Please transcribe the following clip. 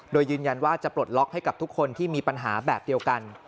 โดยยืนยันว่าจะปลดล็อกให้กับทุกคนที่มีปัญหาแบบเดียวกัน